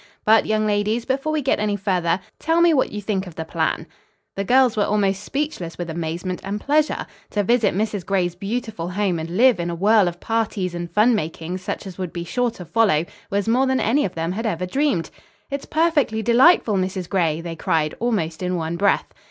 But, young ladies, before we get any further, tell me what you think of the plan?" The girls were almost speechless with amazement and pleasure. To visit Mrs. Gray's beautiful home and live in a whirl of parties and funmaking such as would be sure to follow was more than any of them had ever dreamed of. "It's perfectly delightful, Mrs. Gray!" they cried almost in one breath.